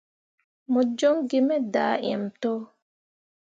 Mo joŋ gi me daaǝǝm to.